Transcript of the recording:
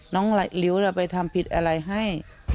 น้องลิ้วไปทำผิดอะไรให้